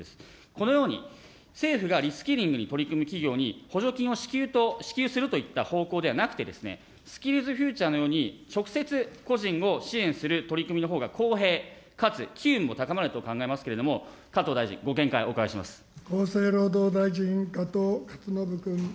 このように、政府がリスキリングに取り組む企業に補助金を支給するといった方向ではなくて、スキルズフューチャーのように、直接、個人を支援する取り組みのほうが公平かつ機運も高まると考えますけれども、加藤大臣、ご見解をお厚生労働大臣、加藤勝信君。